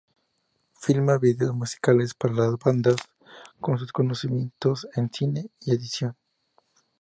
Filma videos musicales para las bandas con sus conocimientos en cine y edición.